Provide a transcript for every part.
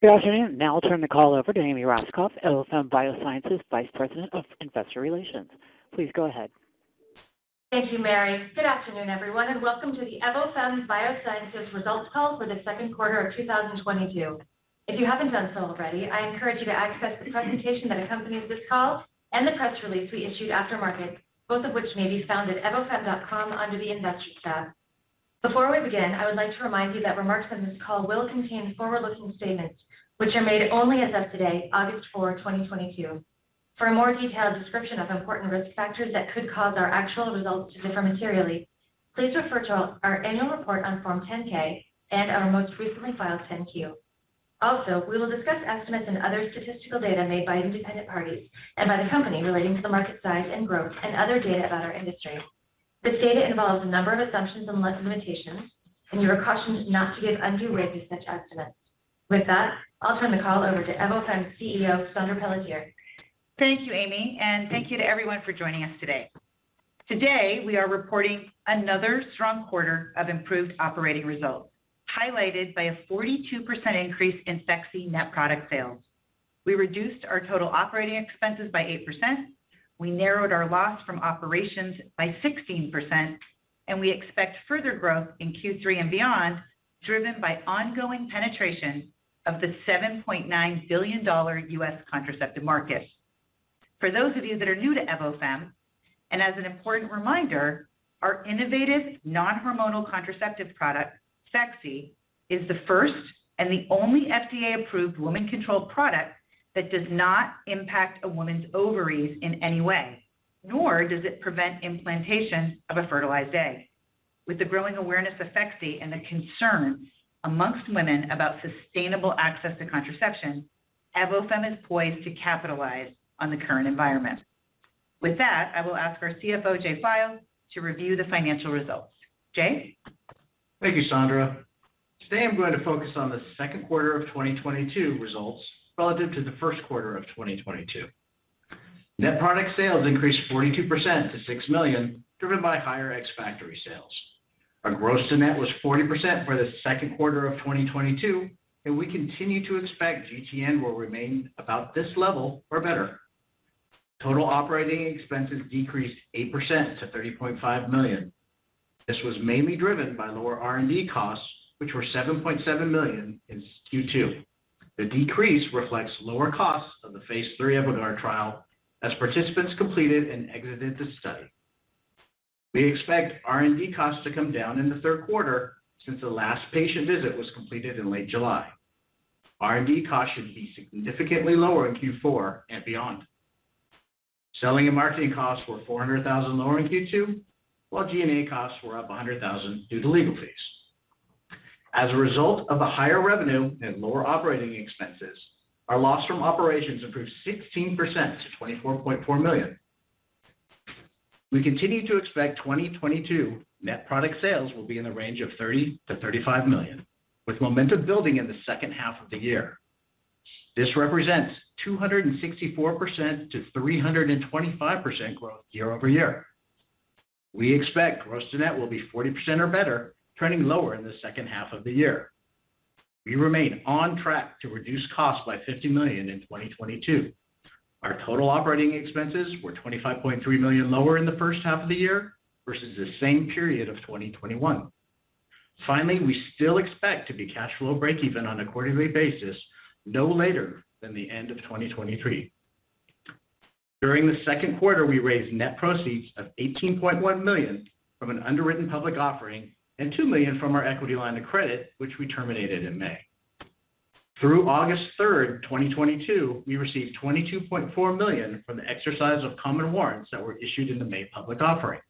Good afternoon. Now I'll turn the call over to Amy Raskopf, Evofem Biosciences Vice President of Investor Relations. Please go ahead. Thank you, Mary. Good afternoon, everyone, and welcome to the Evofem Biosciences results call for the second quarter of 2022. If you haven't done so already, I encourage you to access the presentation that accompanies this call and the press release we issued after market, both of which may be found at evofem.com under the Investors tab. Before we begin, I would like to remind you that remarks on this call will contain forward-looking statements, which are made only as of today, August 4, 2022. For a more detailed description of important risk factors that could cause our actual results to differ materially, please refer to our annual report on Form 10-K and our most recently filed 10-Q. Also, we will discuss estimates and other statistical data made by independent parties and by the company relating to the market size and growth and other data about our industry. This data involves a number of assumptions and limitations, and you're cautioned not to give undue weight to such estimates. With that, I'll turn the call over to Evofem CEO, Saundra Pelletier. Thank you, Amy, and thank you to everyone for joining us today. Today, we are reporting another strong quarter of improved operating results, highlighted by a 42% increase in Phexxi net product sales. We reduced our total operating expenses by 8%. We narrowed our loss from operations by 16%, and we expect further growth in Q3 and beyond, driven by ongoing penetration of the $7.9 billion U.S. contraceptive market. For those of you that are new to Evofem, and as an important reminder, our innovative non-hormonal contraceptive product, Phexxi, is the first and the only FDA-approved woman-controlled product that does not impact a woman's ovaries in any way, nor does it prevent implantation of a fertilized egg. With the growing awareness of Phexxi and the concerns among women about sustainable access to contraception, Evofem is poised to capitalize on the current environment. With that, I will ask our CFO, Jay File, to review the financial results. Jay. Thank you, Saundra. Today, I'm going to focus on the second quarter of 2022 results relative to the first quarter of 2022. Net product sales increased 42% to $6 million, driven by higher ex-factory sales. Our gross to net was 40% for the second quarter of 2022, and we continue to expect GTN will remain about this level or better. Total operating expenses decreased 8% to $30.5 million. This was mainly driven by lower R&D costs, which were $7.7 million in Q2. The decrease reflects lower costs of the phase III EVOGUARD trial as participants completed and exited the study. We expect R&D costs to come down in the third quarter since the last patient visit was completed in late July. R&D costs should be significantly lower in Q4 and beyond. Selling and marketing costs were $400,000 lower in Q2, while G&A costs were up $100,000 due to legal fees. As a result of the higher revenue and lower operating expenses, our loss from operations improved 16% to $24.4 million. We continue to expect 2022 net product sales will be in the range of $30 million-$35 million, with momentum building in the second half of the year. This represents 264%-325% growth year-over-year. We expect gross to net will be 40% or better, trending lower in the second half of the year. We remain on track to reduce costs by $50 million in 2022. Our total operating expenses were $25.3 million lower in the first half of the year versus the same period of 2021. Finally, we still expect to be cash flow breakeven on a quarterly basis no later than the end of 2023. During the second quarter, we raised net proceeds of $18.1 million from an underwritten public offering and $2 million from our equity line of credit, which we terminated in May. Through August 3, 2022, we received $22.4 million from the exercise of common warrants that were issued in the May public offering.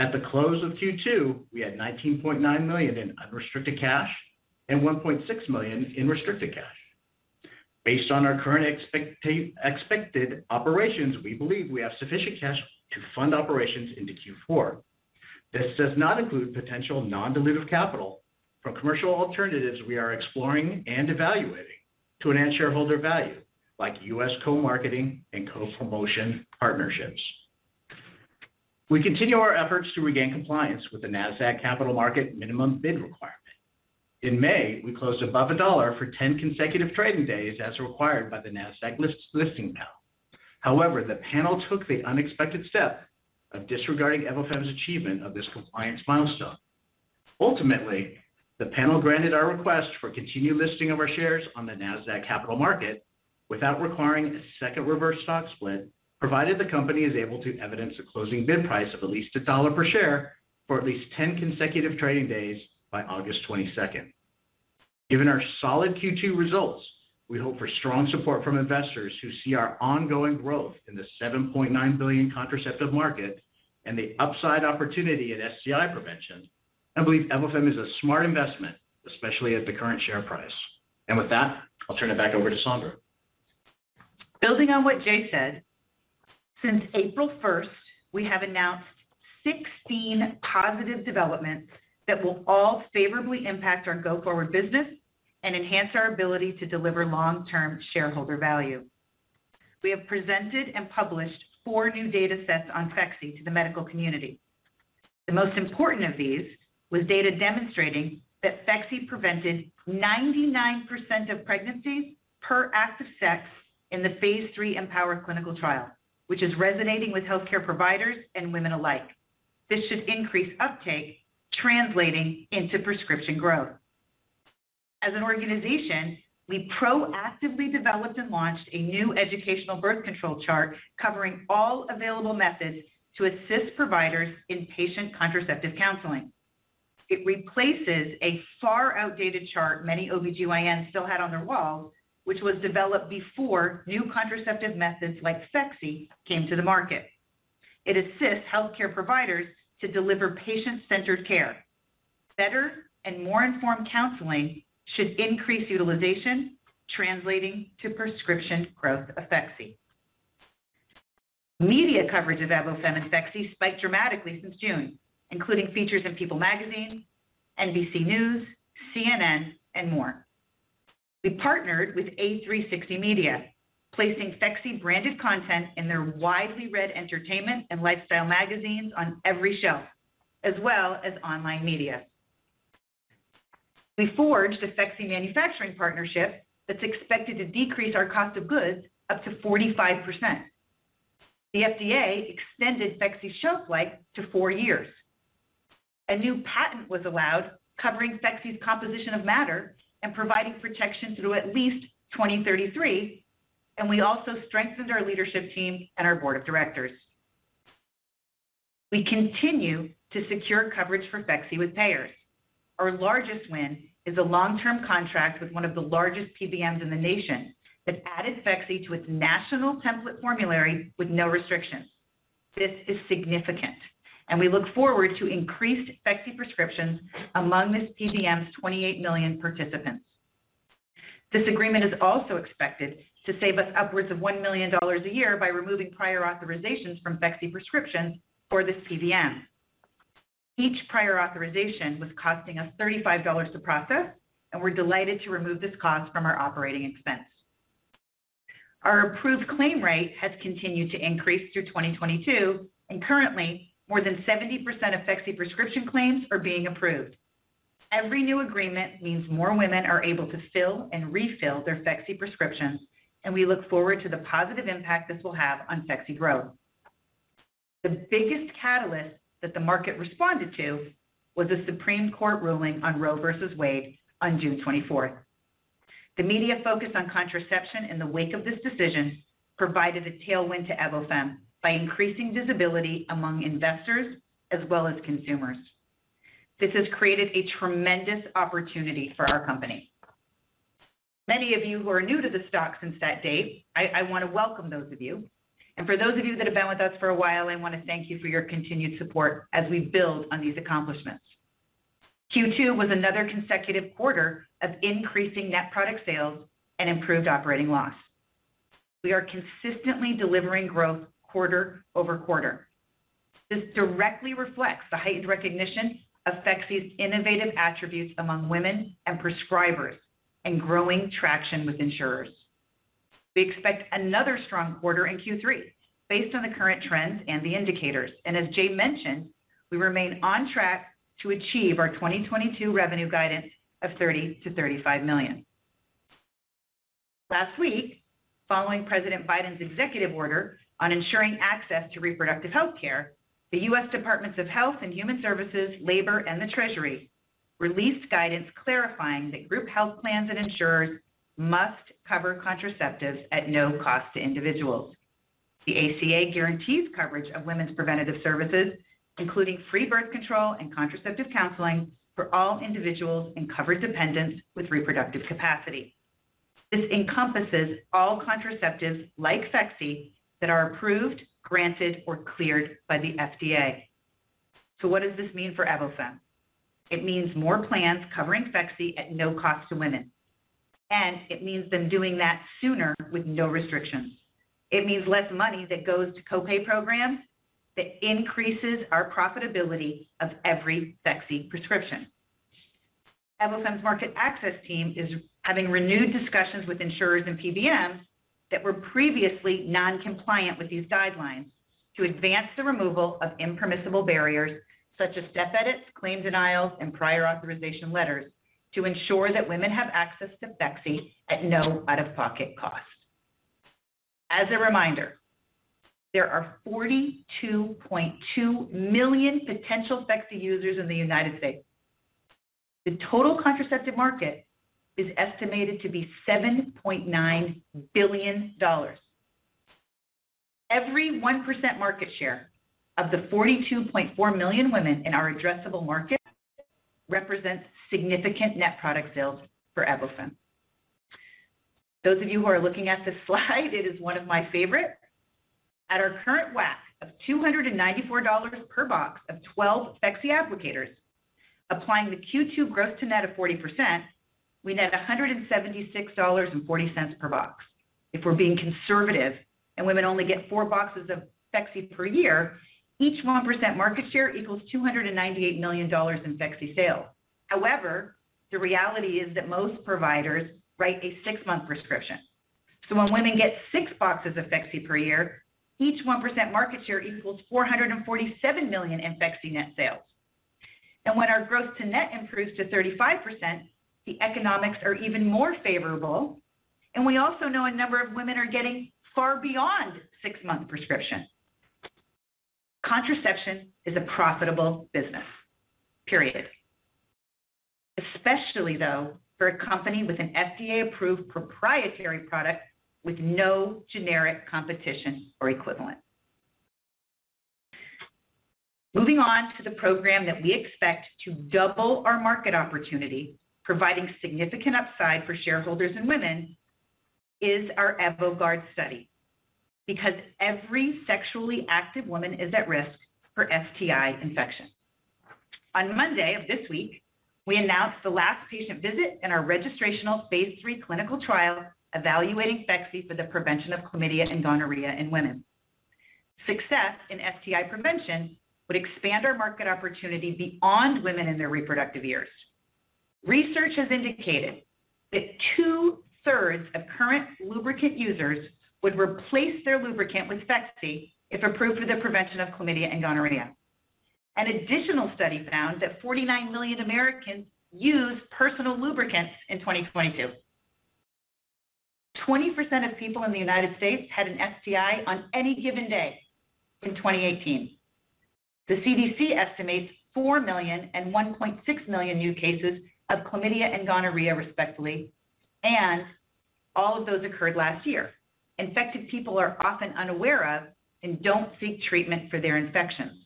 At the close of Q2, we had $19.9 million in unrestricted cash and $1.6 million in restricted cash. Based on our current expected operations, we believe we have sufficient cash to fund operations into Q4. This does not include potential non-dilutive capital from commercial alternatives we are exploring and evaluating to enhance shareholder value, like U.S. co-marketing and co-promotion partnerships. We continue our efforts to regain compliance with the Nasdaq Capital Market minimum bid requirement. In May, we closed above $1 for 10 consecutive trading days as required by the Nasdaq Listing Panel. However, the panel took the unexpected step of disregarding Evofem's achievement of this compliance milestone. Ultimately, the panel granted our request for continued listing of our shares on the Nasdaq Capital Market without requiring a second reverse stock split, provided the company is able to evidence a closing bid price of at least $1 per share for at least 10 consecutive trading days by August 22nd. Given our solid Q2 results, we hope for strong support from investors who see our ongoing growth in the $7.9 billion contraceptive market and the upside opportunity in STI prevention and believe Evofem is a smart investment, especially at the current share price. With that, I'll turn it back over to Saundra. Building on what Jay said, since April first, we have announced 16 positive developments that will all favorably impact our go-forward business and enhance our ability to deliver long-term shareholder value. We have presented and published four new data sets on Phexxi to the medical community. The most important of these was data demonstrating that Phexxi prevented 99% of pregnancies per act of sex in the phase III AMPOWER clinical trial, which is resonating with healthcare providers and women alike. This should increase uptake, translating into prescription growth. As an organization, we proactively developed and launched a new educational birth control chart covering all available methods to assist providers in patient contraceptive counseling. It replaces a far outdated chart many OBGYNs still had on their walls, which was developed before new contraceptive methods like Phexxi came to the market. It assists healthcare providers to deliver patient-centered care. Better and more informed counseling should increase utilization, translating to prescription growth of Phexxi. Media coverage of Evofem and Phexxi spiked dramatically since June, including features in People Magazine, NBC News, CNN, and more. We partnered with A360 Media, placing Phexxi branded content in their widely read entertainment and lifestyle magazines on every shelf, as well as online media. We forged a Phexxi manufacturing partnership that's expected to decrease our cost of goods up to 45%. The FDA extended Phexxi shelf life to four years. A new patent was allowed covering Phexxi's composition of matter and providing protection through at least 2033, and we also strengthened our leadership team and our board of directors. We continue to secure coverage for Phexxi with payers. Our largest win is a long-term contract with one of the largest PBMs in the nation that added Phexxi to its national template formulary with no restrictions. This is significant, and we look forward to increased Phexxi prescriptions among this PBM's 28 million participants. This agreement is also expected to save us upwards of $1 million a year by removing prior authorizations from Phexxi prescriptions for this PBM. Each prior authorization was costing us $35 to process, and we're delighted to remove this cost from our operating expense. Our approved claim rate has continued to increase through 2022, and currently, more than 70% of Phexxi prescription claims are being approved. Every new agreement means more women are able to fill and refill their Phexxi prescriptions, and we look forward to the positive impact this will have on Phexxi growth. The biggest catalyst that the market responded to was the Supreme Court ruling on Roe v. Wade on June 24th. The media focus on contraception in the wake of this decision provided a tailwind to Evofem by increasing visibility among investors as well as consumers. This has created a tremendous opportunity for our company. Many of you who are new to the stock since that date, I want to welcome those of you. For those of you that have been with us for a while, I want to thank you for your continued support as we build on these accomplishments. Q2 was another consecutive quarter of increasing net product sales and improved operating loss. We are consistently delivering growth quarter over quarter. This directly reflects the heightened recognition of Phexxi's innovative attributes among women and prescribers and growing traction with insurers. We expect another strong quarter in Q3 based on the current trends and the indicators. As Jay mentioned, we remain on track to achieve our 2022 revenue guidance of $30 million-$35 million. Last week, following President Biden's executive order on ensuring access to reproductive health care, the U.S. Departments of Health and Human Services, Labor, and the Treasury released guidance clarifying that group health plans and insurers must cover contraceptives at no cost to individuals. The ACA guarantees coverage of women's preventive services, including free birth control and contraceptive counseling for all individuals and covered dependents with reproductive capacity. This encompasses all contraceptives like Phexxi that are approved, granted or cleared by the FDA. What does this mean for Evofem? It means more plans covering Phexxi at no cost to women, and it means them doing that sooner with no restrictions. It means less money that goes to co-pay programs. That increases our profitability of every Phexxi prescription. Evofem's market access team is having renewed discussions with insurers and PBMs that were previously non-compliant with these guidelines to advance the removal of impermissible barriers such as step edits, claim denials, and prior authorization letters to ensure that women have access to Phexxi at no out-of-pocket cost. As a reminder, there are 42.2 million potential Phexxi users in the United States. The total contraceptive market is estimated to be $7.9 billion. Every 1% market share of the 42.4 million women in our addressable market represents significant net product sales for Evofem. Those of you who are looking at this slide, it is one of my favorite. At our current WAC of $294 per box of 12 Phexxi applicators, applying the Q2 gross-to-net of 40%, we net $176.40 per box. If we're being conservative and women only get four boxes of Phexxi per year, each 1% market share equals $298 million in Phexxi sales. However, the reality is that most providers write a six-month prescription. When women get six boxes of Phexxi per year, each 1% market share equals $447 million in Phexxi net sales. When our gross-to-net improves to 35%, the economics are even more favorable, and we also know a number of women are getting far beyond six-month prescription. Contraception is a profitable business, period. Especially, though, for a company with an FDA-approved proprietary product with no generic competition or equivalent. Moving on to the program that we expect to double our market opportunity, providing significant upside for shareholders and women, is our EVOGUARD study. Because every sexually active woman is at risk for STI infection. On Monday of this week, we announced the last patient visit in our registrational phase III clinical trial evaluating Phexxi for the prevention of chlamydia and gonorrhea in women. Success in STI prevention would expand our market opportunity beyond women in their reproductive years. Research has indicated that two-thirds of current lubricant users would replace their lubricant with Phexxi if approved for the prevention of chlamydia and gonorrhea. An additional study found that 49 million Americans used personal lubricants in 2022. 20% of people in the United States had an STI on any given day in 2018. The CDC estimates 4 million and 1.6 million new cases of chlamydia and gonorrhea, respectively, and all of those occurred last year. Infected people are often unaware of and don't seek treatment for their infections.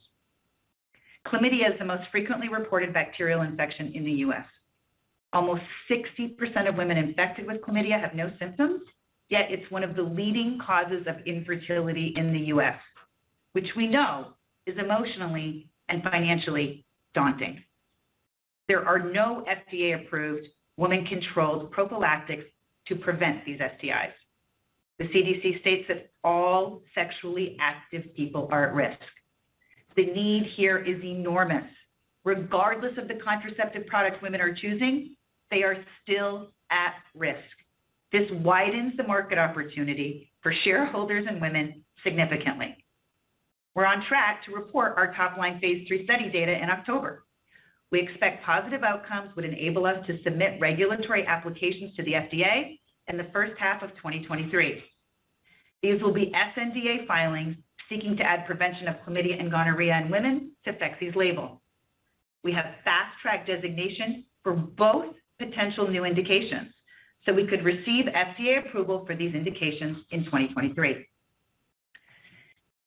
Chlamydia is the most frequently reported bacterial infection in the U.S. Almost 60% of women infected with chlamydia have no symptoms, yet it's one of the leading causes of infertility in the U.S., which we know is emotionally and financially daunting. There are no FDA-approved women-controlled prophylactics to prevent these STIs. The CDC states that all sexually active people are at risk. The need here is enormous. Regardless of the contraceptive product women are choosing, they are still at risk. This widens the market opportunity for shareholders and women significantly. We're on track to report our top-line phase III study data in October. We expect positive outcomes would enable us to submit regulatory applications to the FDA in the first half of 2023. These will be sNDA filings seeking to add prevention of chlamydia and gonorrhea in women to Phexxi's label. We have fast track designation for both potential new indications, so we could receive FDA approval for these indications in 2023.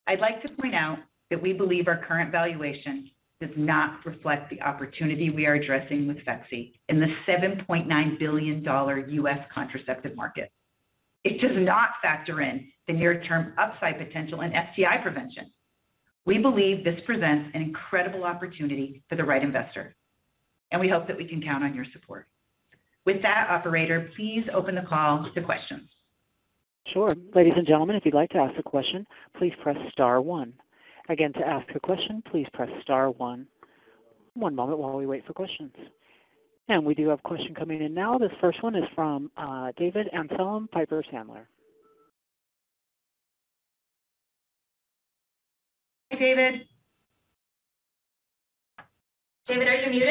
I'd like to point out that we believe our current valuation does not reflect the opportunity we are addressing with Phexxi in the $7.9 billion U.S. contraceptive market. It does not factor in the near-term upside potential in STI prevention. We believe this presents an incredible opportunity for the right investor, and we hope that we can count on your support. With that, operator, please open the call to questions. Sure. Ladies and gentlemen, if you'd like to ask a question, please press star one. Again, to ask a question, please press star one. One moment while we wait for questions. We do have a question coming in now. This first one is from David Amsellem, Piper Sandler. Hi, David. David, are you muted?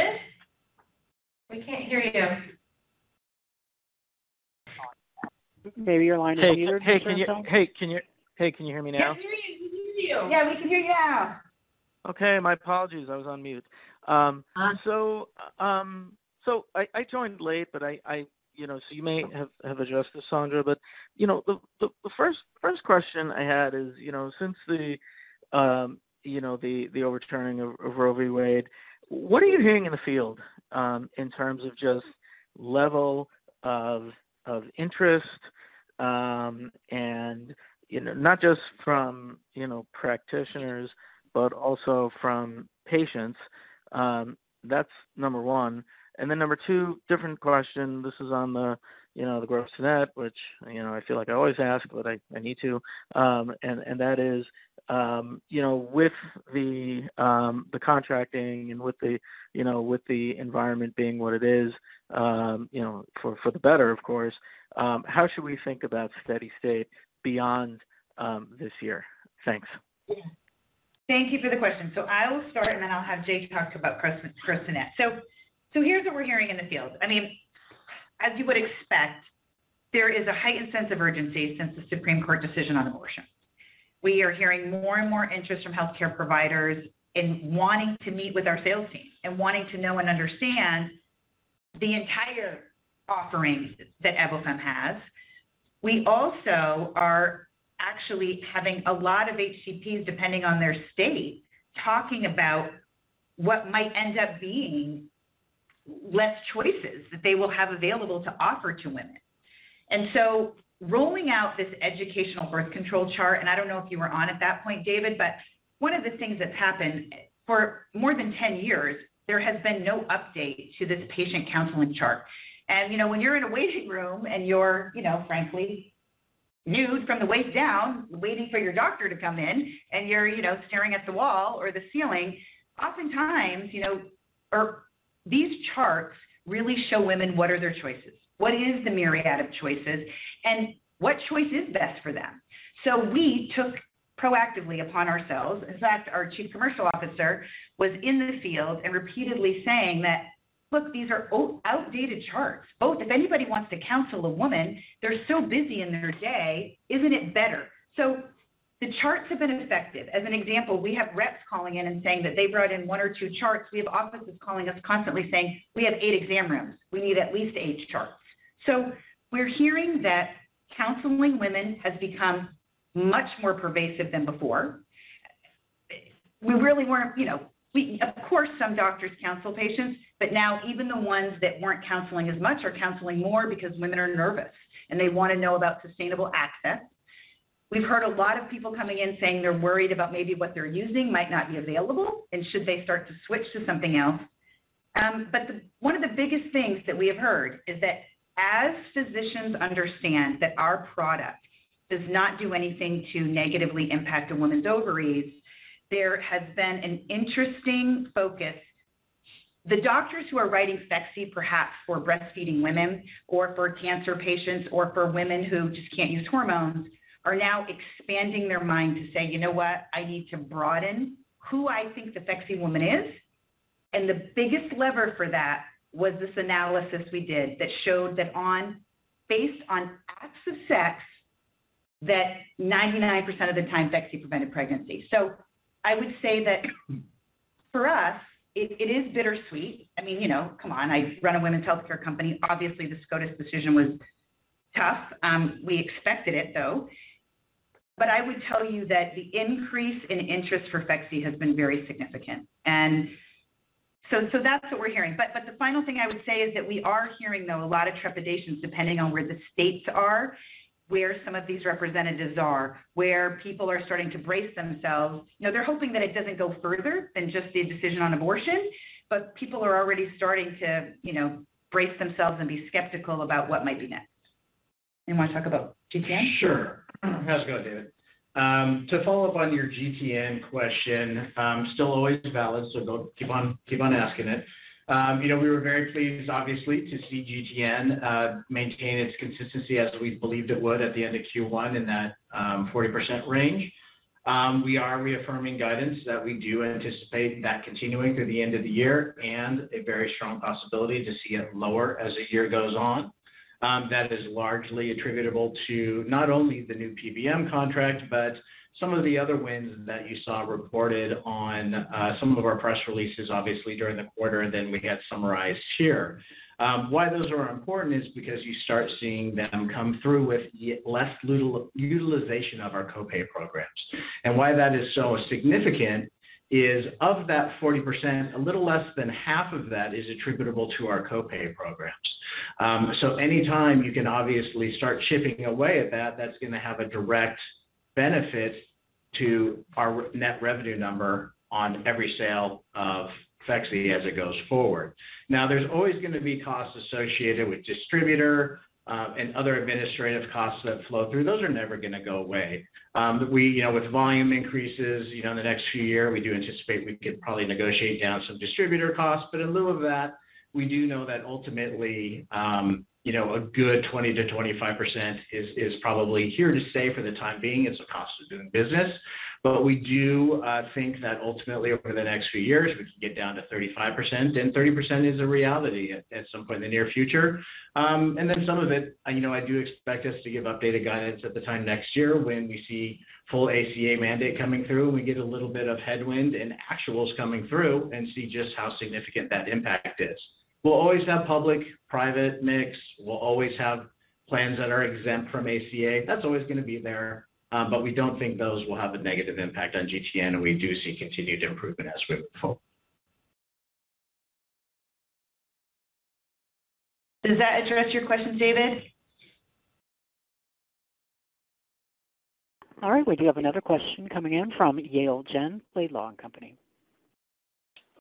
We can't hear you. Maybe your line is muted or something. Hey, can you hear me now? Yeah, I can hear you. We can hear you. Yeah, we can hear you now. Okay. My apologies. I was on mute. So I joined late, but I you know, so you may have adjusted, Saundra, but you know, the first question I had is you know, since the overturning of Roe v. Wade, what are you hearing in the field in terms of just level of interest and you know, not just from you know, practitioners, but also from patients? That's number one. Then number two, different question. This is on the you know, the gross-to-net, which you know, I feel like I always ask, but I need to. That is, you know, with the contracting and, you know, with the environment being what it is, you know, for the better, of course, how should we think about steady state beyond this year? Thanks. Thank you for the question. I will start, and then I'll have Jay talk about gross-to-net. Here's what we're hearing in the field. I mean, as you would expect, there is a heightened sense of urgency since the Supreme Court decision on abortion. We are hearing more and more interest from healthcare providers in wanting to meet with our sales team and wanting to know and understand the entire offerings that Evofem has. We also are actually having a lot of HCPs, depending on their state, talking about what might end up being less choices that they will have available to offer to women. Rolling out this educational birth control chart, and I don't know if you were on at that point, David, but one of the things that's happened for more than 10 years, there has been no update to this patient counseling chart. You know, when you're in a waiting room and you're, you know, frankly nude from the waist down, waiting for your doctor to come in, and you're, you know, staring at the wall or the ceiling. Oftentimes, you know, these charts really show women what are their choices, what is the myriad of choices, and what choice is best for them. We took proactively upon ourselves. In fact, our Chief Commercial Officer was in the field and repeatedly saying that, "Look, these are outdated charts. Oh, if anybody wants to counsel a woman, they're so busy in their day, isn't it better? The charts have been effective. As an example, we have reps calling in and saying that they brought in one or two charts. We have offices calling us constantly saying, "We have eight exam rooms. We need at least eight charts." We're hearing that counseling women has become much more pervasive than before. We really weren't, you know. Of course, some doctors counsel patients, but now even the ones that weren't counseling as much are counseling more because women are nervous, and they wanna know about sustainable access. We've heard a lot of people coming in saying they're worried about maybe what they're using might not be available, and should they start to switch to something else. One of the biggest things that we have heard is that as physicians understand that our product does not do anything to negatively impact a woman's ovaries, there has been an interesting focus. The doctors who are writing Phexxi perhaps for breastfeeding women or for cancer patients or for women who just can't use hormones are now expanding their mind to say, "You know what? I need to broaden who I think the Phexxi woman is." The biggest lever for that was this analysis we did that showed that based on acts of sex, that 99% of the time, Phexxi prevented pregnancy. I would say that for us, it is bittersweet. I mean, you know, come on, I run a women's healthcare company. Obviously, the SCOTUS decision was tough. We expected it, though. I would tell you that the increase in interest for Phexxi has been very significant. That's what we're hearing. The final thing I would say is that we are hearing, though, a lot of trepidation depending on where the states are, where some of these representatives are, where people are starting to brace themselves. You know, they're hoping that it doesn't go further than just the decision on abortion, but people are already starting to, you know, brace themselves and be skeptical about what might be next. You wanna talk about GTN? Sure. How's it going, David? To follow up on your GTN question, still always valid, so keep on asking it. You know, we were very pleased obviously to see GTN maintain its consistency as we believed it would at the end of Q1 in that 40% range. We are reaffirming guidance that we do anticipate that continuing through the end of the year and a very strong possibility to see it lower as the year goes on. That is largely attributable to not only the new PBM contract, but some of the other wins that you saw reported on some of our press releases, obviously during the quarter, and then we had summarized here. Why those are important is because you start seeing them come through with less utilization of our co-pay programs. Why that is so significant is of that 40%, a little less than half of that is attributable to our co-pay programs. So anytime you can obviously start chipping away at that's gonna have a direct benefit to our net revenue number on every sale of Phexxi as it goes forward. Now, there's always gonna be costs associated with distributor, and other administrative costs that flow through. Those are never gonna go away. We, you know, with volume increases, you know, in the next few years, we do anticipate we could probably negotiate down some distributor costs. But in lieu of that, we do know that ultimately, you know, a good 20%-25% is probably here to stay for the time being as a cost of doing business. We do think that ultimately over the next few years, we can get down to 35%, and 30% is a reality at some point in the near future. Then some of it, and you know, I do expect us to give updated guidance at the time next year when we see full ACA mandate coming through, and we get a little bit of headwind and actuals coming through and see just how significant that impact is. We'll always have public, private mix. We'll always have plans that are exempt from ACA. That's always gonna be there, but we don't think those will have a negative impact on GTN, and we do see continued improvement as we move forward. Does that address your questions, David? All right. We do have another question coming in from Yale Jen, Laidlaw & Company.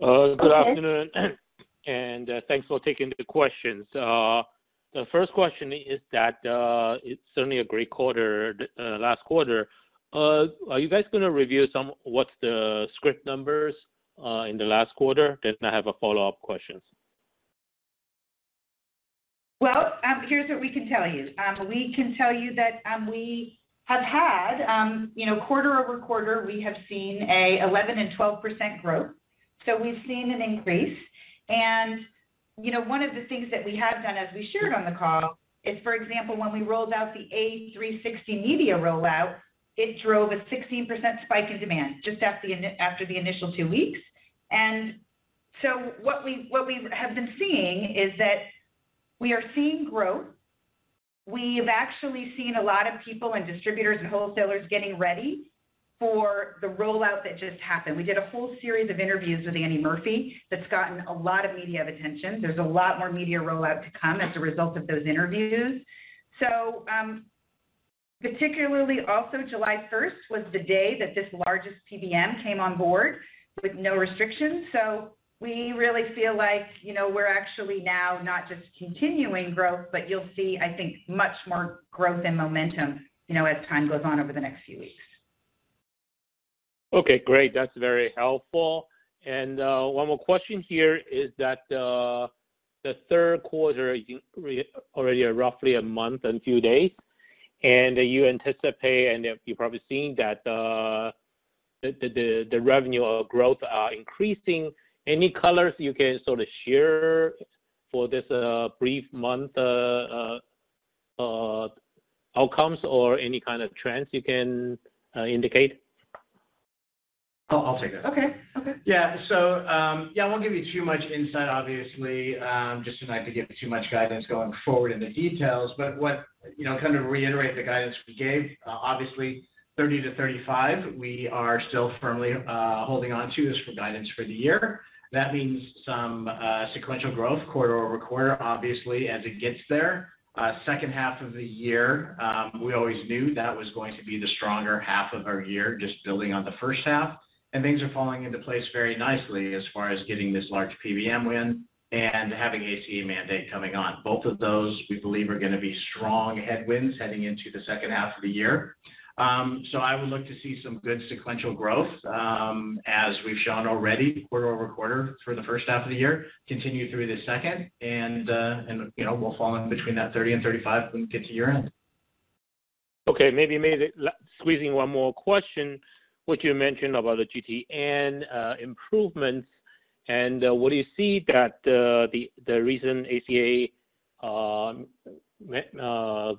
Okay. Good afternoon and thanks for taking the questions. The first question is that it's certainly a great quarter last quarter. Are you guys gonna review some of the script numbers in the last quarter? Then I have a follow-up question. Well, here's what we can tell you. We can tell you that, we have had, you know, quarter over quarter, we have seen an 11% and 12% growth. We've seen an increase. You know, one of the things that we have done as we shared on the call is, for example, when we rolled out the A360 Media rollout, it drove a 16% spike in demand just after the initial two weeks. What we have been seeing is that we are seeing growth. We've actually seen a lot of people and distributors and wholesalers getting ready for the rollout that just happened. We did a whole series of interviews with Annie Murphy that's gotten a lot of media attention. There's a lot more media rollout to come as a result of those interviews. Particularly also July first was the day that this largest PBM came on board with no restrictions. We really feel like, you know, we're actually now not just continuing growth, but you'll see, I think, much more growth and momentum, you know, as time goes on over the next few weeks. Okay, great. That's very helpful. One more question here is that the third quarter is already roughly a month and two days, and you anticipate, and you've probably seen that the revenue growth are increasing. Any colors you can sort of share for this brief month outcomes or any kind of trends you can indicate? I'll take that. Okay. Okay. Yeah, yeah, I won't give you too much insight, obviously, just not tonight to give too much guidance going forward in the details. But, you know, to kind of reiterate the guidance we gave, obviously $30-$35, we are still firmly holding on to this for guidance for the year. That means some sequential growth quarter-over-quarter, obviously, as it gets there. Second half of the year, we always knew that was going to be the stronger half of our year, just building on the first half. Things are falling into place very nicely as far as getting this large PBM win and having ACA mandate coming on. Both of those, we believe are gonna be strong tailwinds heading into the second half of the year. I would look to see some good sequential growth, as we've shown already quarter-over-quarter for the first half of the year, continue through the second, you know, we'll fall in between that 30-35 when we get to year-end. Okay. Maybe squeezing one more question, what you mentioned about the GTN improvements and what do you see that the recent ACA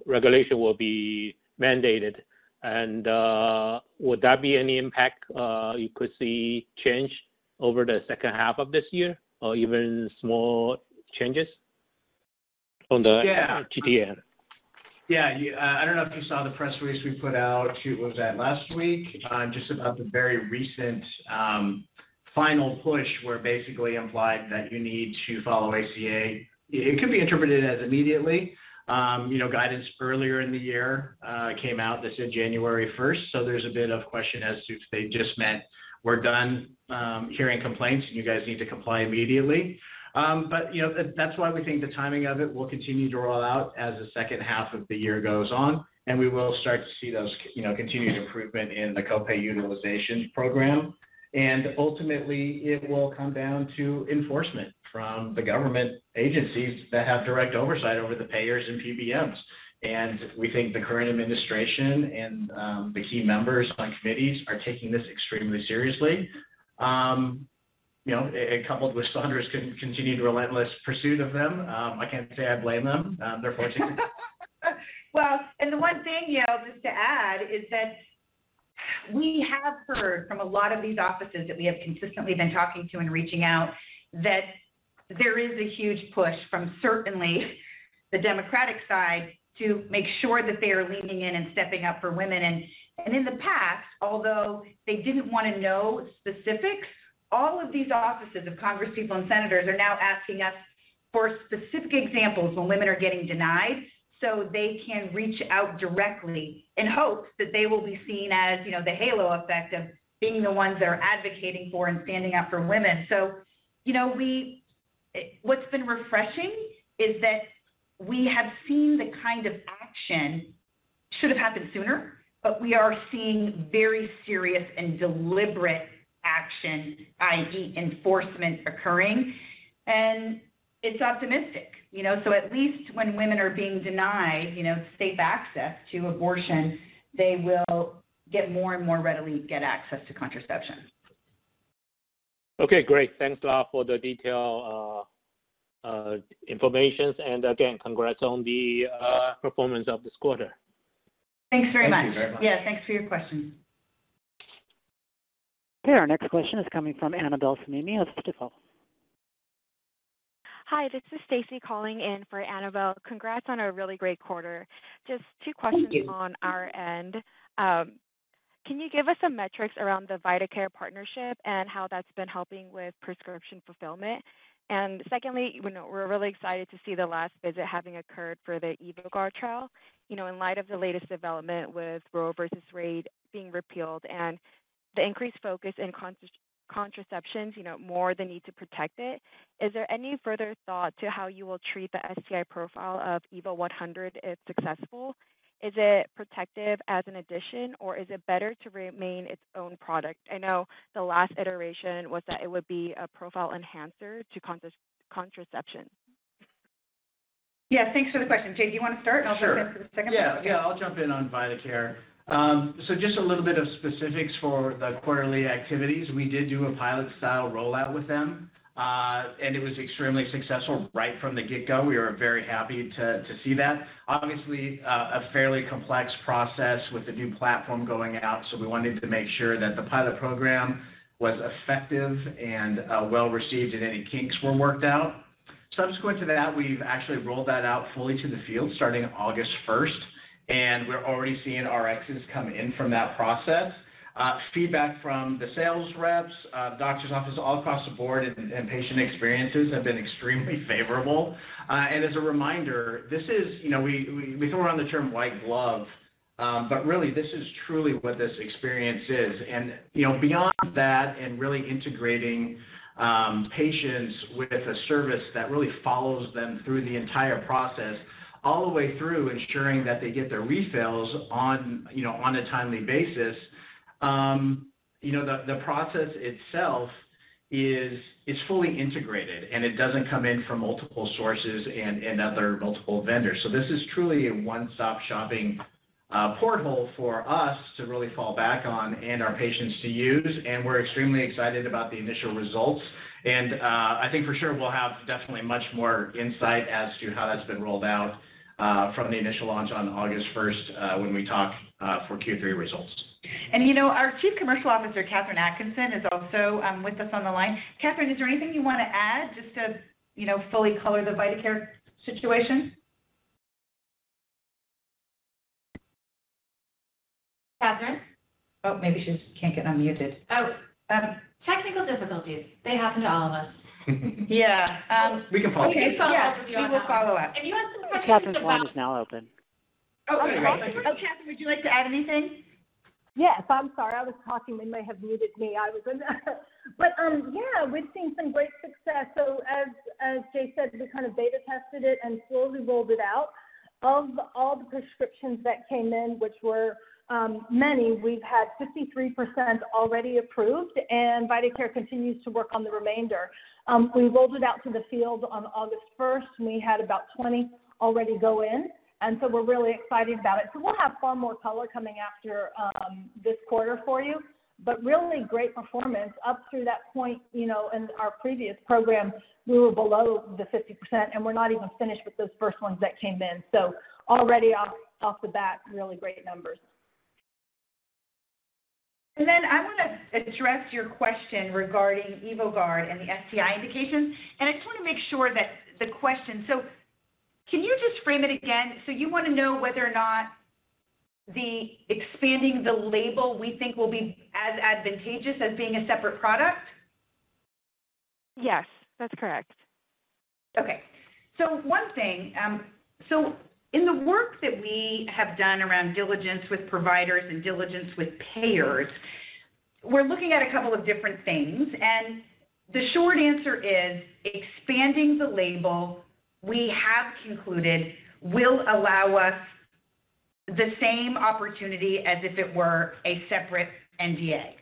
regulation will be mandated and would that be any impact you could see change over the second half of this year or even small changes on the? Yeah. -GTN? Yeah. I don't know if you saw the press release we put out. Was that last week? Just about the very recent final push where basically implied that you need to follow ACA. It could be interpreted as immediately. You know, guidance earlier in the year came out that said January first, so there's a bit of question as to if they just meant we're done hearing complaints, you guys need to comply immediately. You know, that's why we think the timing of it will continue to roll out as the second half of the year goes on, and we will start to see those continued improvement in the co-pay utilization program. Ultimately, it will come down to enforcement from the government agencies that have direct oversight over the payers and PBMs. We think the current administration and the key members on committees are taking this extremely seriously. You know, coupled with Saundra's continued relentless pursuit of them. I can't say I blame them, unfortunately. Well, the one thing, you know, just to add is that we have heard from a lot of these offices that we have consistently been talking to and reaching out, that there is a huge push from certainly the Democratic side to make sure that they are leaning in and stepping up for women. In the past, although they didn't wanna know specifics, all of these offices of congresspeople and senators are now asking us for specific examples when women are getting denied so they can reach out directly in hopes that they will be seen as, you know, the halo effect of being the ones that are advocating for and standing up for women. You know, what's been refreshing is that we have seen the kind of action, should have happened sooner, but we are seeing very serious and deliberate action, i.e. Enforcement occurring, and it's optimistic, you know. At least when women are being denied, you know, safe access to abortion, they will get more and more readily access to contraception. Okay, great. Thanks a lot for the detailed information. Again, congrats on the performance of this quarter. Thanks very much. Thank you very much. Yeah, thanks for your question. Okay, our next question is coming from Annabel Samimy of Stifel. Hi, this is Stacy calling in for Annabel. Congrats on a really great quarter. Just two questions. Thank you. on our end. Can you give us some metrics around the VitaCare partnership and how that's been helping with prescription fulfillment? Secondly, you know, we're really excited to see the last visit having occurred for the EVOGUARD trial. You know, in light of the latest development with Roe v. Wade being repealed and the increased focus in contraceptions, you know, more the need to protect it. Is there any further thought to how you will treat the STI profile of EVO100 if successful? Is it protective as an addition, or is it better to remain its own product? I know the last iteration was that it would be a profile enhancer to contraception. Yeah, thanks for the question. Jay, do you wanna start? Sure. I'll jump into the second one. Yeah. Yeah, I'll jump in on VitaCare. So just a little bit of specifics for the quarterly activities. We did do a pilot-style rollout with them, and it was extremely successful right from the get-go. We are very happy to see that. Obviously, a fairly complex process with the new platform going out, so we wanted to make sure that the pilot program was effective and well-received and any kinks were worked out. Subsequent to that, we've actually rolled that out fully to the field starting August first, and we're already seeing RXs come in from that process. Feedback from the sales reps, doctor's office all across the board and patient experiences have been extremely favorable. As a reminder, this is, you know, we throw around the term white glove, but really this is truly what this experience is. You know, beyond that and really integrating patients with a service that really follows them through the entire process all the way through ensuring that they get their refills on, you know, on a timely basis. You know, the process itself is, it's fully integrated, and it doesn't come in from multiple sources and other multiple vendors. This is truly a one-stop shopping portal for us to really fall back on and our patients to use. We're extremely excited about the initial results. I think for sure we'll have definitely much more insight as to how that's been rolled out from the initial launch on August first when we talk for Q3 results. You know, our Chief Commercial Officer, Katherine Atkinson, is also with us on the line. Katherine, is there anything you want to add just to, you know, fully color the VitaCare situation? Katherine? Oh, maybe she can't get unmuted. Oh. Technical difficulties. They happen to all of us. Yeah. We can follow up. We can follow up with you on that one. Yes, we will follow up. If you have some questions about. Katherine's line is now open. Okay, great. Oh. Katherine, would you like to add anything? Yes. I'm sorry. I was talking. They may have muted me. Yeah, we've seen some great success. As Jay said, we kind of beta tested it and slowly rolled it out. Of all the prescriptions that came in, which were many, we've had 53% already approved, and VitaCare continues to work on the remainder. We rolled it out to the field on August first, and we had about 20 already go in, and we're really excited about it. We'll have far more color coming after this quarter for you. Really great performance up through that point. You know, in our previous program, we were below the 50%, and we're not even finished with those first ones that came in. Already off the bat, really great numbers. I want to address your question regarding EVOGUARD and the STI indications. I just want to make sure that the question. Can you just frame it again? You want to know whether or not the expanding the label we think will be as advantageous as being a separate product? Yes, that's correct. One thing, in the work that we have done around diligence with providers and diligence with payers, we're looking at a couple of different things. The short answer is expanding the label, we have concluded, will allow us the same opportunity as if it were a separate NDA.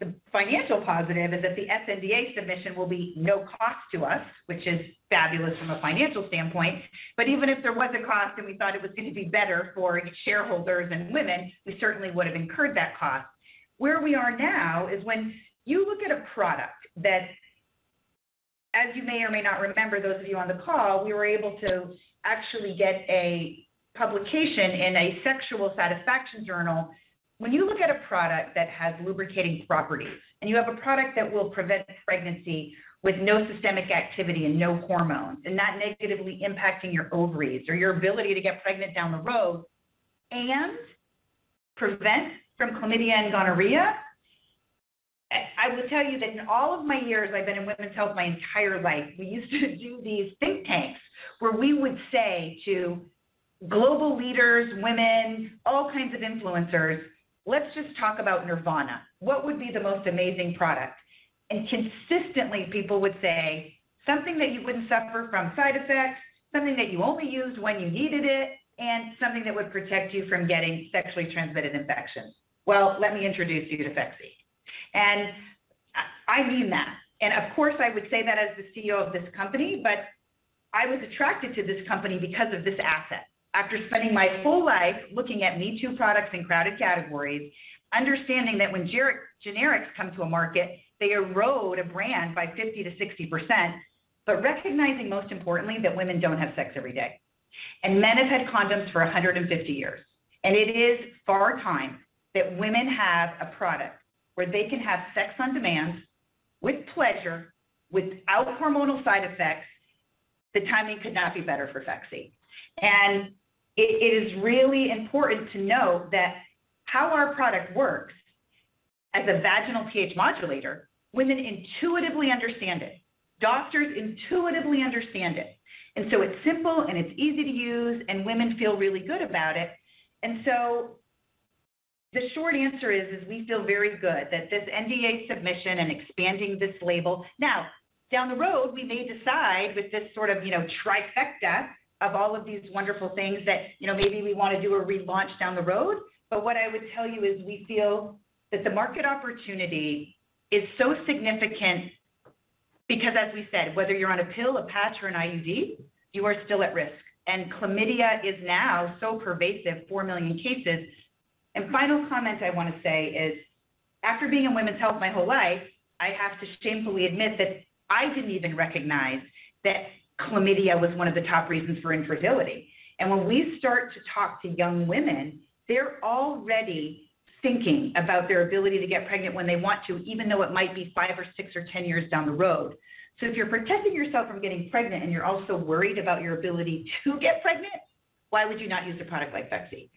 The financial positive is that the sNDA submission will be no cost to us, which is fabulous from a financial standpoint. Even if there was a cost and we thought it was going to be better for shareholders and women, we certainly would have incurred that cost. Where we are now is when you look at a product that, as you may or may not remember, those of you on the call, we were able to actually get a publication in a sexual satisfaction journal. When you look at a product that has lubricating properties, and you have a product that will prevent pregnancy with no systemic activity and no hormones, and not negatively impacting your ovaries or your ability to get pregnant down the road and prevent from chlamydia and gonorrhea. I will tell you that in all of my years, I've been in women's health my entire life, we used to do these think tanks where we would say to global leaders, women, all kinds of influencers, "Let's just talk about nirvana. What would be the most amazing product?" And consistently, people would say something that you wouldn't suffer from side effects, something that you only used when you needed it, and something that would protect you from getting sexually transmitted infections. Well, let me introduce you to Phexxi. I mean that. Of course, I would say that as the CEO of this company, but I was attracted to this company because of this asset. After spending my whole life looking at me-too products in crowded categories, understanding that when generics come to a market, they erode a brand by 50%-60%. Recognizing, most importantly, that women don't have sex every day. Men have had condoms for 150 years. It is far time that women have a product where they can have sex on demand, with pleasure, without hormonal side effects. The timing could not be better for Phexxi. It is really important to note that how our product works as a vaginal pH modulator, women intuitively understand it, doctors intuitively understand it. It's simple, and it's easy to use, and women feel really good about it. The short answer is we feel very good that this NDA submission and expanding this label. Now, down the road, we may decide with this sort of, you know, trifecta of all of these wonderful things that, you know, maybe we want to do a relaunch down the road. What I would tell you is we feel that the market opportunity is so significant because as we said, whether you're on a pill, a patch, or an IUD, you are still at risk. Chlamydia is now so pervasive, 4 million cases. Final comment I want to say is, after being in women's health my whole life, I have to shamefully admit that I didn't even recognize that chlamydia was one of the top reasons for infertility. When we start to talk to young women, they're already thinking about their ability to get pregnant when they want to, even though it might be 5 or 6 or 10 years down the road. If you're protecting yourself from getting pregnant and you're also worried about your ability to get pregnant, why would you not use a product like Phexxi?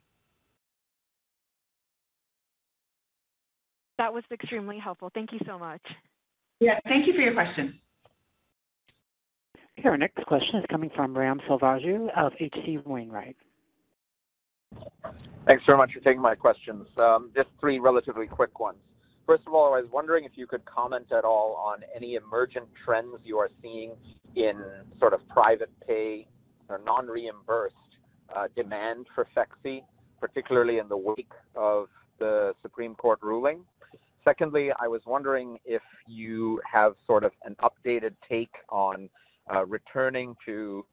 That was extremely helpful. Thank you so much. Yeah. Thank you for your question. Okay. Our next question is coming from Ram Selvaraju of H.C. Wainwright. Thanks very much for taking my questions. Just three relatively quick ones. First of all, I was wondering if you could comment at all on any emergent trends you are seeing in sort of private pay or non-reimbursed demand for Phexxi, particularly in the wake of the Supreme Court ruling. Secondly, I was wondering if you have sort of an updated take on returning to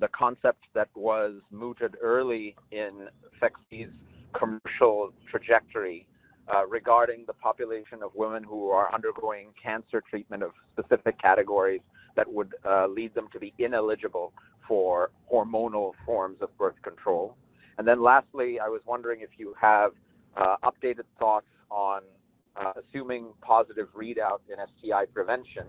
the concept that was mooted early in Phexxi's commercial trajectory regarding the population of women who are undergoing cancer treatment of specific categories that would lead them to be ineligible for hormonal forms of birth control. Lastly, I was wondering if you have updated thoughts on assuming positive readout in STI prevention,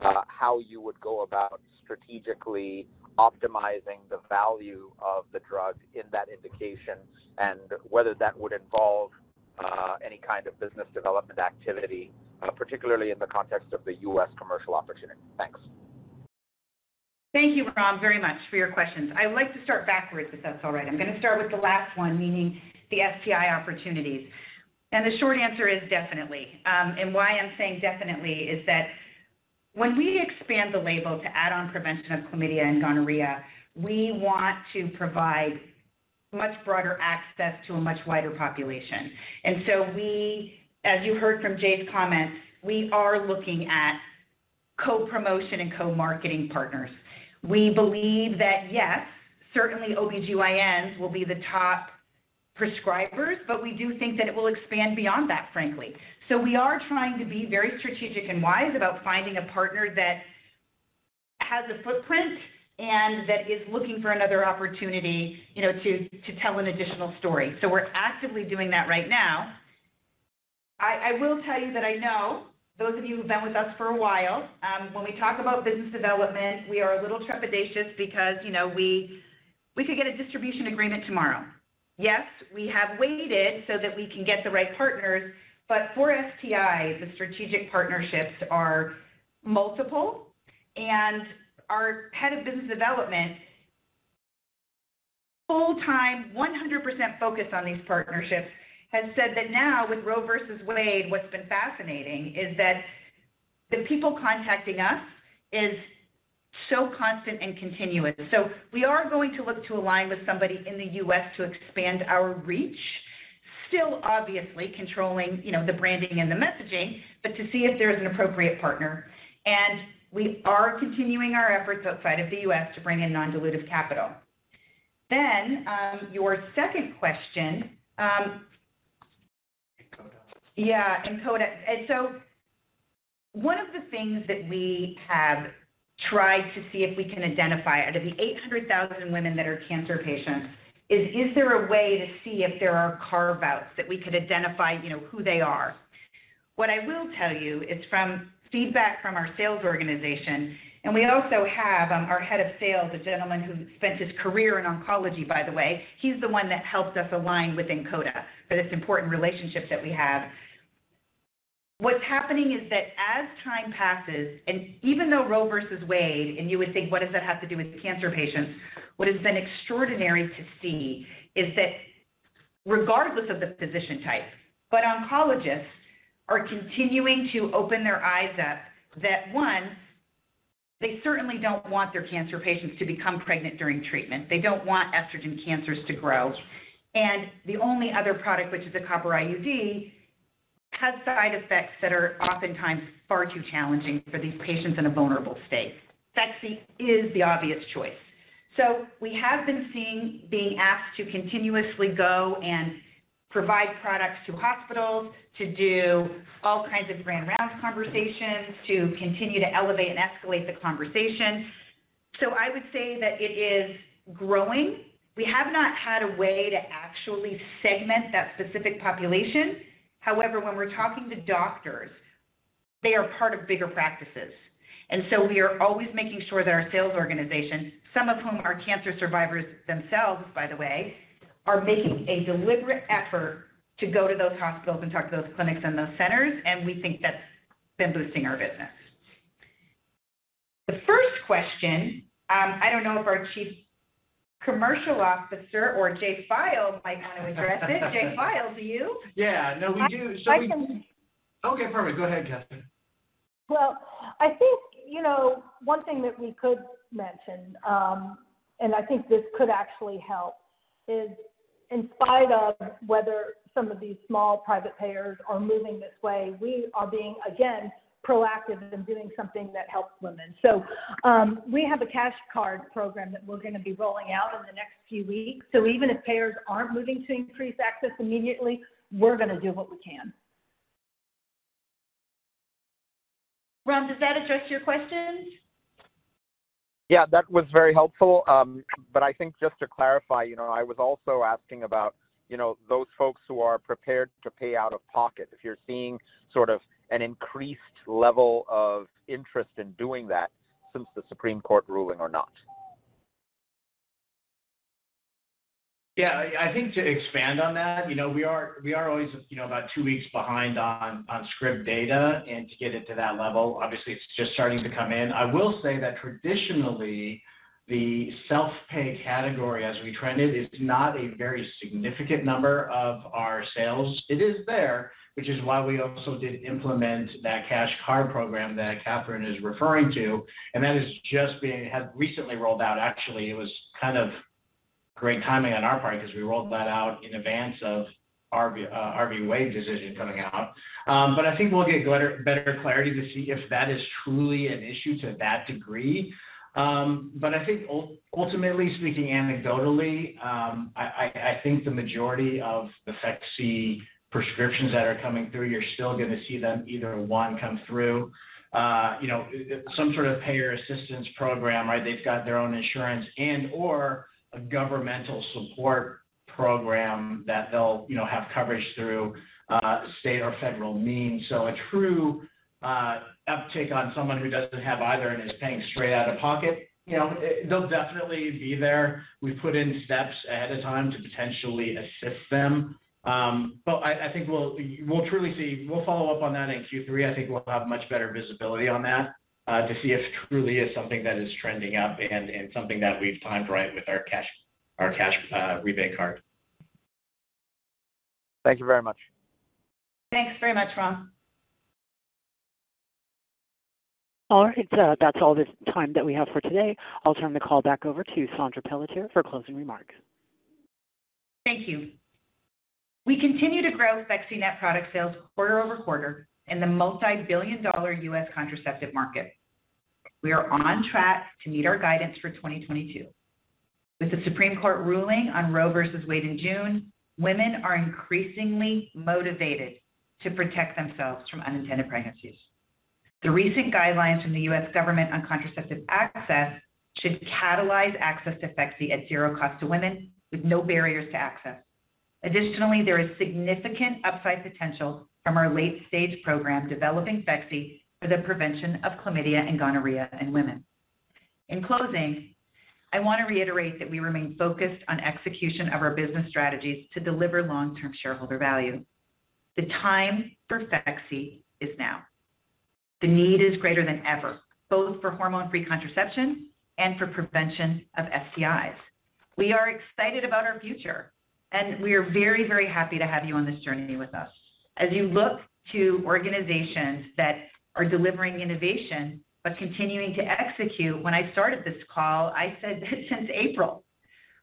how you would go about strategically optimizing the value of the drug in that indication and whether that would involve any kind of business development activity, particularly in the context of the U.S. commercial opportunity. Thanks. Thank you, Ram, very much for your questions. I would like to start backwards, if that's all right. I'm gonna start with the last one, meaning the STI opportunities. The short answer is definitely. Why I'm saying definitely is that when we expand the label to add on prevention of chlamydia and gonorrhea, we want to provide much broader access to a much wider population. We, as you heard from Jay's comments, we are looking at co-promotion and co-marketing partners. We believe that, yes, certainly OBGYNs will be the top prescribers, but we do think that it will expand beyond that, frankly. We are trying to be very strategic and wise about finding a partner that has a footprint and that is looking for another opportunity, you know, to tell an additional story. We're actively doing that right now. I will tell you that I know those of you who've been with us for a while, when we talk about business development, we are a little trepidatious because, you know, we could get a distribution agreement tomorrow. Yes, we have waited so that we can get the right partners. For STIs, the strategic partnerships are multiple. Our head of business development, full-time, 100% focused on these partnerships, has said that now with Roe v. Wade, what's been fascinating is that the people contacting us is so constant and continuous. We are going to look to align with somebody in the U.S. to expand our reach, still obviously controlling, you know, the branding and the messaging, but to see if there's an appropriate partner. We are continuing our efforts outside of the U.S. to bring in non-dilutive capital. Your second question. Ontada. Yeah, Ontada. One of the things that we have tried to see if we can identify out of the 800,000 women that are cancer patients is there a way to see if there are carve-outs that we could identify, you know, who they are. What I will tell you is from feedback from our sales organization, and we also have our head of sales, a gentleman who spent his career in oncology, by the way, he's the one that helped us align with Ontada for this important relationship that we have. What's happening is that as time passes and even though Roe v. Wade, and you would think, what does that have to do with cancer patients? What has been extraordinary to see is that regardless of the physician type, oncologists are continuing to open their eyes up that one, they certainly don't want their cancer patients to become pregnant during treatment. They don't want estrogen cancers to grow. The only other product, which is a copper IUD, has side effects that are oftentimes far too challenging for these patients in a vulnerable state. Phexxi is the obvious choice. We have been seeing, being asked to continuously go and provide products to hospitals, to do all kinds of grand rounds conversations, to continue to elevate and escalate the conversation. I would say that it is growing. We have not had a way to actually segment that specific population. However, when we're talking to doctors, they are part of bigger practices. We are always making sure that our sales organizations, some of whom are cancer survivors themselves, by the way, are making a deliberate effort to go to those hospitals and talk to those clinics and those centers, and we think that's been boosting our business. The first question, I don't know if our Chief Commercial Officer or Jay File might want to address it. Jay File, do you? Yeah. No, we do. Shall we- I can- Okay, perfect. Go ahead, Katherine. Well, I think, you know, one thing that we could mention, and I think this could actually help, is in spite of whether some of these small private payers are moving this way, we are being, again, proactive in doing something that helps women. We have a cash card program that we're gonna be rolling out in the next few weeks. Even if payers aren't moving to increase access immediately, we're gonna do what we can. Ram, does that address your questions? Yeah, that was very helpful. I think just to clarify, you know, I was also asking about, you know, those folks who are prepared to pay out of pocket, if you're seeing sort of an increased level of interest in doing that since the Supreme Court ruling or not? Yeah, I think to expand on that, you know, we are always, you know, about two weeks behind on script data and to get it to that level. Obviously, it's just starting to come in. I will say that traditionally, the self-pay category as we trend it is not a very significant number of our sales. It is there, which is why we also did implement that cash card program that Katherine is referring to. That has recently rolled out. Actually, it was kind of great timing on our part 'cause we rolled that out in advance of Roe v. Wade decision coming out. But I think we'll get better clarity to see if that is truly an issue to that degree. I think ultimately speaking anecdotally, I think the majority of the Phexxi prescriptions that are coming through, you're still gonna see them either one come through you know some sort of payer assistance program, right? They've got their own insurance and/or a governmental support program that they'll you know have coverage through state or federal means. A true uptake on someone who doesn't have either and is paying straight out-of-pocket, you know, they'll definitely be there. We've put in steps ahead of time to potentially assist them. I think we'll truly see. We'll follow up on that in Q3. I think we'll have much better visibility on that to see if it truly is something that is trending up and something that we've timed right with our cash rebate card. Thank you very much. Thanks very much, Ram Selvaraju. All right. That's all the time that we have for today. I'll turn the call back over to Saundra Pelletier for closing remarks. Thank you. We continue to grow Phexxi net product sales quarter over quarter in the multi-billion-dollar U.S. contraceptive market. We are on track to meet our guidance for 2022. With the Supreme Court ruling on Roe v. Wade in June, women are increasingly motivated to protect themselves from unintended pregnancies. The recent guidelines from the U.S. government on contraceptive access should catalyze access to Phexxi at zero cost to women with no barriers to access. Additionally, there is significant upside potential from our late stage program developing Phexxi for the prevention of chlamydia and gonorrhea in women. In closing, I wanna reiterate that we remain focused on execution of our business strategies to deliver long-term shareholder value. The time for Phexxi is now. The need is greater than ever, both for hormone-free contraception and for prevention of STIs. We are excited about our future, and we are very, very happy to have you on this journey with us. As you look to organizations that are delivering innovation but continuing to execute, when I started this call, I said that since April,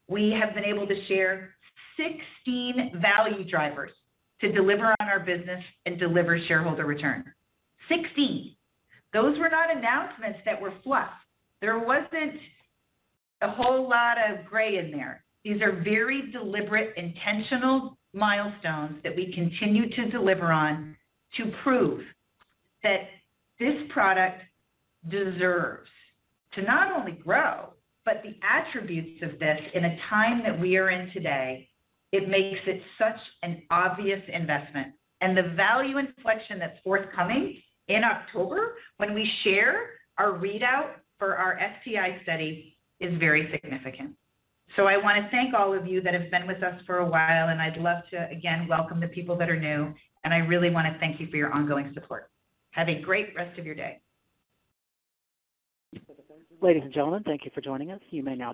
we have been able to share 16 value drivers to deliver on our business and deliver shareholder return. 16. Those were not announcements that were fluff. There wasn't a whole lot of gray in there. These are very deliberate, intentional milestones that we continue to deliver on to prove that this product deserves to not only grow, but the attributes of this in a time that we are in today, it makes it such an obvious investment. The value inflection that's forthcoming in October when we share our readout for our STI study is very significant. I wanna thank all of you that have been with us for a while, and I'd love to, again, welcome the people that are new. I really wanna thank you for your ongoing support. Have a great rest of your day. Ladies and gentlemen, thank you for joining us. You may now disconnect.